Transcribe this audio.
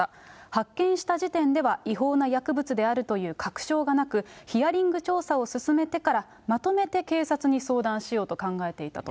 発見した時点では、違法な薬物であるという確証がなく、ヒアリング調査を進めてから、まとめて警察に相談しようと考えていたと。